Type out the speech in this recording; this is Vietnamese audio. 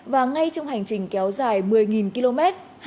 và ngay trong hành trình kéo dài một mươi km